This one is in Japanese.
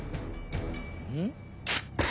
うん？